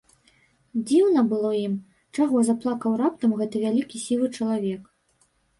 Дзіўна было ім, чаго заплакаў раптам гэты вялікі сівы чалавек.